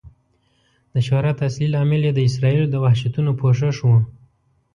د شهرت اصلي لامل یې د اسرائیلو د وحشتونو پوښښ و.